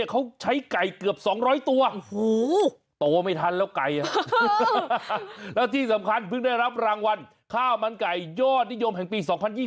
เขาใช้ไก่เกือบ๒๐๐ตัวโตไม่ทันแล้วไก่แล้วที่สำคัญเพิ่งได้รับรางวัลข้าวมันไก่ยอดนิยมแห่งปี๒๐๒๐